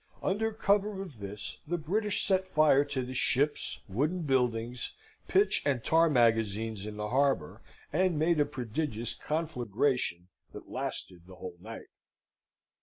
Under cover of this, the British set fire to the ships, wooden buildings, pitch and tar magazines in the harbour, and made a prodigious conflagration that lasted the whole night.